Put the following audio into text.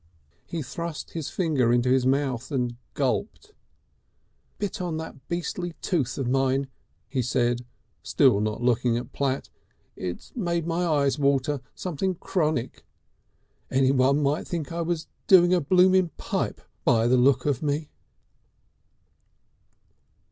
He thrust his finger into his mouth and gulped. "Bit on that beastly tooth of mine," he said, still not looking at Platt. "It's made my eyes water, something chronic. Any one might think I'd been doing a blooming Pipe, by the look of me."